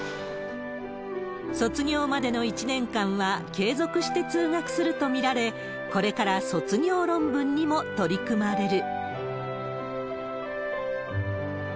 卒業までの１年間は継続して通学すると見られ、これから卒業論文にも取り組まれる。